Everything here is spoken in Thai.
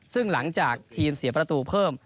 ซึ่งหลังจากทีมเสียประตูเพิ่ม